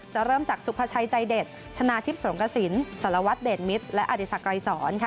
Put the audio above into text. จะเริ่มจากสุพชัยใจเดชชนะทิพย์สวงศ์กระศิลป์สารวัตรเดชมิตรและอธิสักรายสอนค่ะ